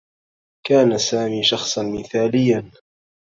كان سامي شخصا مثاليّا.